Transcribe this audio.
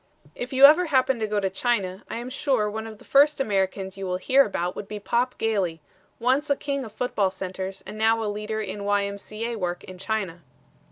If you ever happen to go to China, I am sure one of the first Americans you will hear about would be Pop Gailey, once a king of football centers and now a leader in Y. M. C. A. work in China.